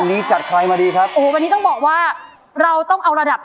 วันนี้จัดใครมาดีครับโอ้โหวันนี้ต้องบอกว่าเราต้องเอาระดับ